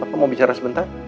papa mau bicara sebentar